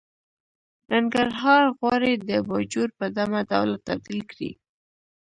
ننګرهار غواړي د باجوړ په ډمه ډوله تبديل کړي.